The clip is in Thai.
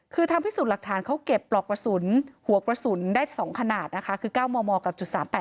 คือทางพิสูจน์หลักฐานเขาเก็บปลอกกระสุนหัวกระสุนได้๒ขนาดนะคะคือ๙มมกับจุด๓๘